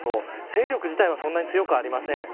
勢力自体はそんなに強くはありません。